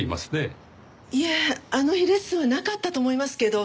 いえあの日レッスンはなかったと思いますけど。